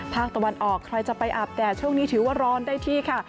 ภาคตะวันออกใครจะไปอาบแดดช่วงนี้ถือว่าร้อนได้ที่ค่ะ